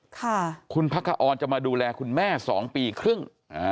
ค่ะคุณพระอรจะมาดูแลคุณแม่๒ปีครึ่ง